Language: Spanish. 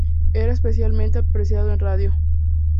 Era especialmente apreciado en radio.